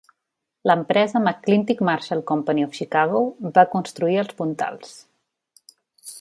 L"empresa McClintic-Marshall Company of Chicago va construir els puntals.